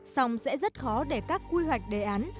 song sẽ rất khó để các quy hoạch đề án